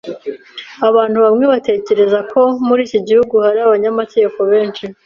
Abantu bamwe batekereza ko muri iki gihugu hari abanyamategeko benshi.